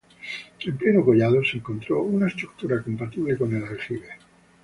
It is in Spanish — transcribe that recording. En pleno collado se encontró una estructura compatible con el aljibe.